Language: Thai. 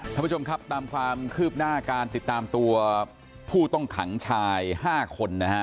ท่านผู้ชมครับตามความคืบหน้าการติดตามตัวผู้ต้องขังชาย๕คนนะฮะ